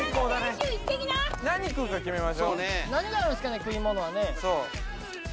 最高だね何があるんすかね食い物はね